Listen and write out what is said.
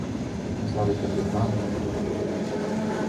Was habe ich denn getan?